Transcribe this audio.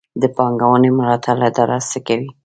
د پانګونې ملاتړ اداره څه کوي؟